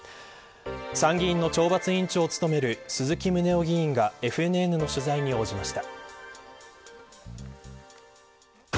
参議院の懲罰委員長を務める鈴木宗男議員がＦＮＮの取材に応じました。